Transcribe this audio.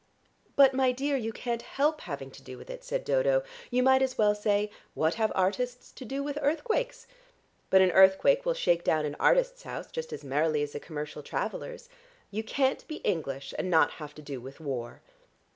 "But, my dear, you can't help having to do with it," said Dodo. "You might as well say, 'What have artists to do with earthquakes'?' But an earthquake will shake down an artist's house just as merrily as a commercial traveller's. You can't be English, and not have to do with war."